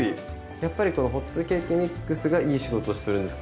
やっぱりこのホットケーキミックスがいい仕事をするんですか？